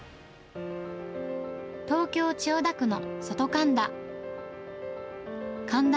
東京・千代田区の外神田。